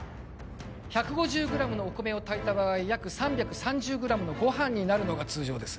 １５０ｇのお米を炊いた場合役３３０ｇのごはんになるのが通常です。